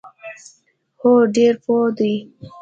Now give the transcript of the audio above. هو، ډیر پوه دي